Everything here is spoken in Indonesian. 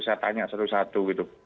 saya tanya satu satu gitu